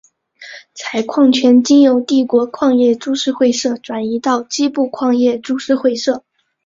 采矿权经由帝国矿业株式会社转移到矶部矿业株式会社。